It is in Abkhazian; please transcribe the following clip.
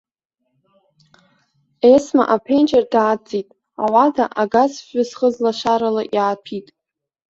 Есма аԥенџьыр даадҵит, ауада агазфҩы зхыз лашарала иааҭәит.